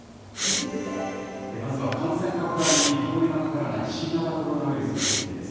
まずは感染拡大に歯止めがかからない新型コロナウイルスについてです。